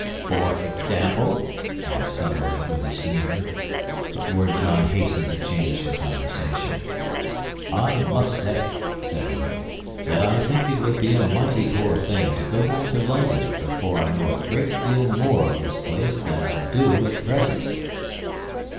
"For example?" asked Summerlee, with a sneer; but Lord John hastened to change the conversation. "I must say," said he, "that I think it would be a mighty poor thing to go back to London before I know a great deal more of this place than I do at present."